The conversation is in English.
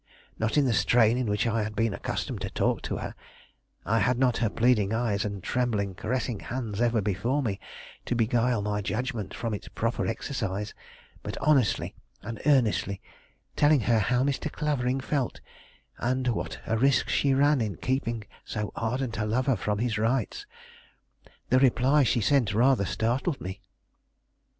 Not in the strain in which I had been accustomed to talk to her, I had not her pleading eyes and trembling, caressing hands ever before me to beguile my judgment from its proper exercise, but honestly and earnestly, telling her how Mr. Clavering felt, and what a risk she ran in keeping so ardent a lover from his rights. The reply she sent rather startled me.